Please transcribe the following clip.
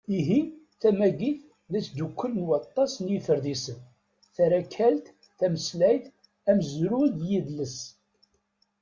Ihi, tamagit d asddukel n waṭas n yiferdisen: tarakalt, tameslayt, amezruy d yedles.